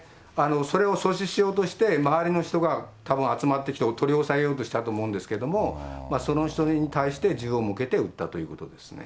それを阻止しようとして、周りの人がたぶん、集まってきて、取り押さえようとしたと思うんですけど、その人に対して銃を向けて撃ったということですね。